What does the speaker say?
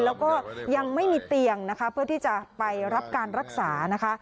แล้วก็ยังไม่มีเตียงนะคะเพื่อที่จะไปรับการรักษานะคะ